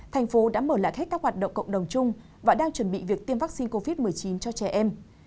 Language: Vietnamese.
thành phố đã mở lại hết các hoạt động cộng đồng chung và đang chuẩn bị việc tiêm vaccine covid một mươi chín cho trẻ em